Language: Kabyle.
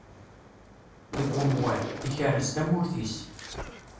Deg umwan, ikerrez tamurt-is.